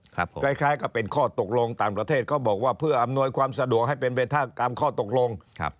คล้ายกับเป็นข้อตกลงต่างประเทศเขาบอกว่าเพื่ออำนวยความสะดวกให้เป็นไปตามข้อตกลงครับ